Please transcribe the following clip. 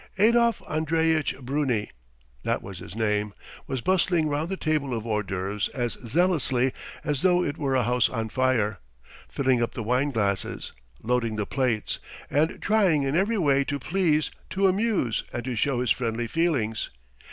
Adolf Andreyitch Bruni (that was his name) was bustling round the table of hors d'oeuvres as zealously as though it were a house on fire, filling up the wine glasses, loading the plates, and trying in every way to please, to amuse, and to show his friendly feelings.